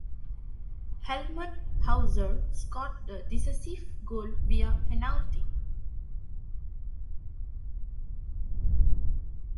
Helmut Hauser scored the decisive goal via penalty.